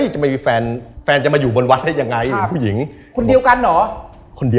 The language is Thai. จะมีแฟนจะมาอยู่บนระบบว้านกันยังไง